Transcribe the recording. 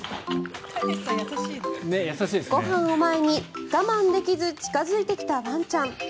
ご飯を前に我慢ができず近付いてきたワンちゃん。